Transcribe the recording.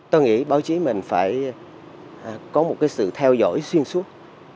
tôi nghĩ báo chí mình phải có một cái sự theo dõi xuyên suốt